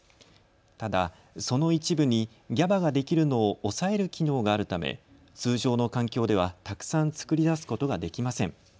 ただその一部にＧＡＢＡができるのを抑える機能があるため通常の環境ではたくさん作り出すことができません。